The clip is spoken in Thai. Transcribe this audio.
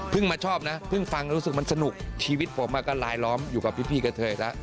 เพิ่งมาชอบนะเพิ่งฟังรู้สึกมันสนุกชีวิตผมอ่ะก็ลายล้อมอยู่กับพี่พี่กับเธอยังไง